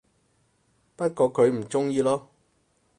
不過佢唔鍾意囉